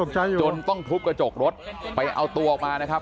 ใช่จนต้องทุบกระจกรถไปเอาตัวออกมานะครับ